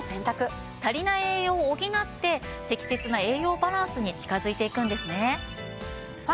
足りない栄養を補って適切な栄養バランスに近づいていくんですね。